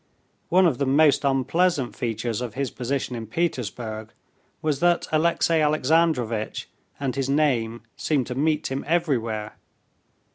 One of the most unpleasant features of his position in Petersburg was that Alexey Alexandrovitch and his name seemed to meet him everywhere.